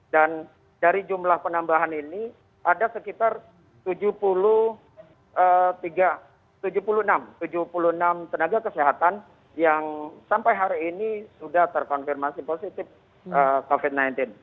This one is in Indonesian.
dan dari jumlah penambahan ini ada sekitar tujuh puluh enam tenaga kesehatan yang sampai hari ini sudah terkonfirmasi positif covid sembilan belas